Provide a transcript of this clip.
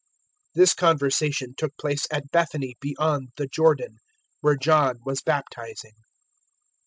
001:028 This conversation took place at Bethany beyond the Jordan, where John was baptizing.